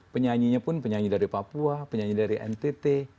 penyanyinya pun penyanyi dari papua penyanyi dari ntt